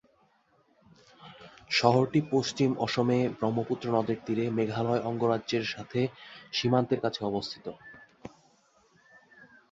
শহরটি পশ্চিম অসমে ব্রহ্মপুত্র নদের তীরে, মেঘালয় অঙ্গরাজ্যের সাথে সীমান্তের কাছে অবস্থিত।